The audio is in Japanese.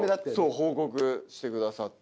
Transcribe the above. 報告してくださって。